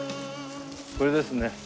これですね